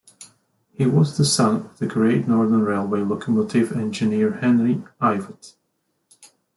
He was the son of the Great Northern Railway locomotive engineer Henry Ivatt.